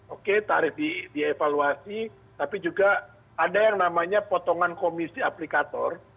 oke tarif dievaluasi tapi juga ada yang namanya potongan komisi aplikator